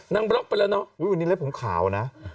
บล็อกไปแล้วเนาะวันนี้เล็บผมขาวนะ